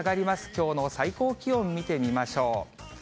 きょうの最高気温見てみましょう。